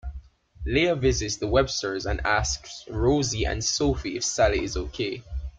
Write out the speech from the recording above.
Leah visits the Websters and asks Rosie and Sophie if Sally is okay.